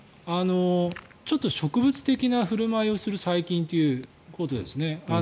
ちょっと植物的な振る舞いをする細菌ということですね。